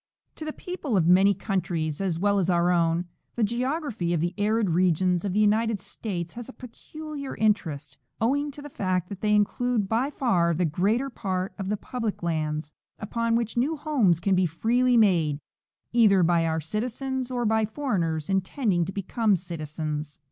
To the i^eople of many countries, as well as our own, the geog raphy of the arid regions of the United States has a peculiar interest, owing to the fact that they include by far the greater part of the public lands, upon which new homes can be freely made either by our citizens or by foreigners intending to become citizens.